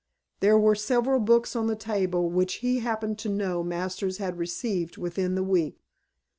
There were several books on the table which he happened to know Masters had received within the week.